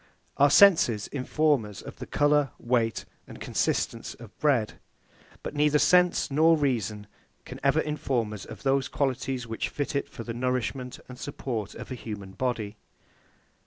Our senses inform us of the colour, weight, and consistence of bread; but neither sense nor reason can ever inform us of those qualities which fit it for the nourishment and support of a human body.